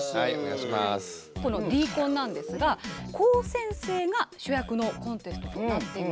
このＤコンなんですが高専生が主役のコンテストとなっています。